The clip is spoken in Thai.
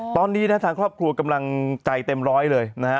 ตอนนี้นะฮะทางครอบครัวกำลังใจเต็มร้อยเลยนะฮะ